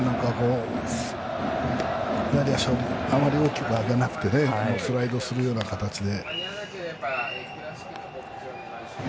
左足をあまり大きく上げないでスライドするような形で。